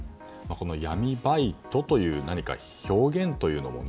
闇バイトという表現というのも。